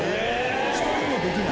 一人もできない。